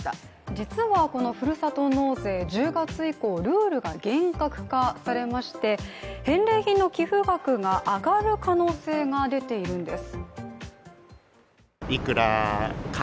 実はこのふるさと納税、１０月以降、ルールが厳格化されまして、返礼品の寄付額が上がる可能性が出ているんです。